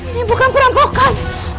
ini bukan perampokan